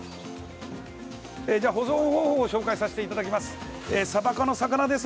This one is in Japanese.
保存方法を紹介させていただきます。